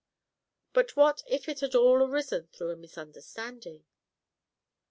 But what if it had all arisen through a misunderstanding?